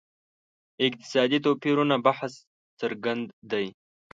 اقتصادي توپیرونو بحث څرګند دی.